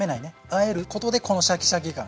あえることでこのシャキシャキ感が。